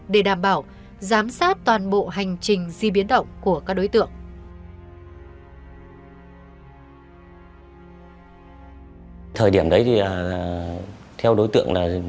để đảm bảo giám sát toàn bộ hành trình di biến động của các đối tượng